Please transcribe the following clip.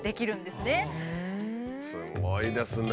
すごいですね。